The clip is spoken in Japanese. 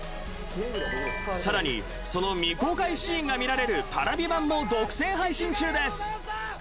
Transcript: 更にその未公開シーンが見られるＰａｒａｖｉ版も独占配信中です。